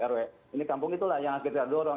rw ini kampung itulah yang harus kita dorong